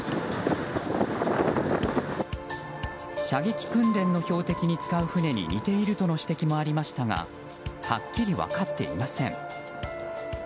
射撃訓練の標的に使う船に似ているとの指摘もありましたがはっきり分かっていません。